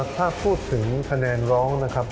ถ้าพูดถึงคะแนนร้องนะครับ